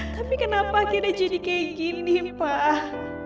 tapi kenapa kita jadi kayak gini pak